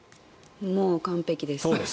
もう完璧です。